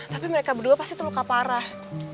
tapi mereka berdua pasti terluka parah